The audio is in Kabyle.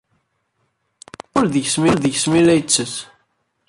Tettmuqul deg-s mi la yettett.